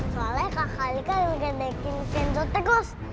soalnya kakak alika yang gede gede kini penzotegos